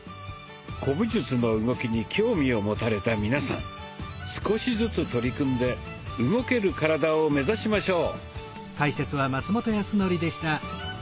古武術の動きに興味を持たれた皆さん少しずつ取り組んで動ける体を目指しましょう。